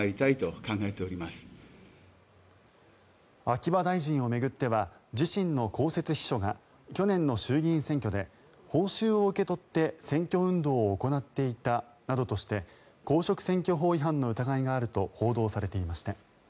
秋葉大臣を巡っては自身の公設秘書が去年の衆議院選挙で報酬を受け取って選挙運動を行っていたなどとして公職選挙法違反の疑いがあると報道されていました。